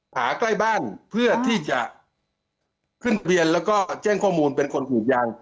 หาใกล้บ้านเพื่อที่จะขึ้นเพลียนแล้วก็แจ้งข้อมูลเป็นคนผูกยาง